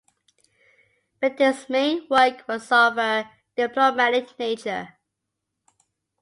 Bentinck's main work was of a diplomatic nature.